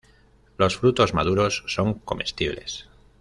Los frutos maduros son comestibles.